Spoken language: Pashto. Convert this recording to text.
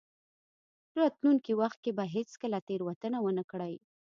راتلونکي وخت کې به هېڅکله تېروتنه ونه کړئ.